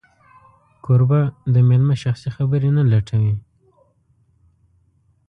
کوربه د مېلمه شخصي خبرې نه لټوي.